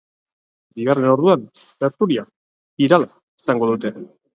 Bigarren orduan, tertulia birala izango dute.